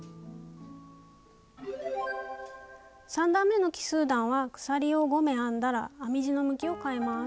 ３段めの奇数段は鎖を５目編んだら編み地の向きを変えます。